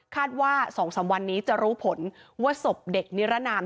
ว่า๒๓วันนี้จะรู้ผลว่าศพเด็กนิรนาม